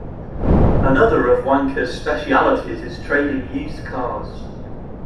Another of Wanker's specialities is trading used cars.